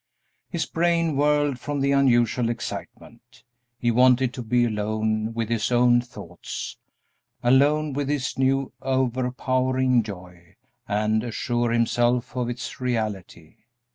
His brain whirled from the unusual excitement. He wanted to be alone with his own thoughts alone with this new, overpowering joy, and assure himself of its reality.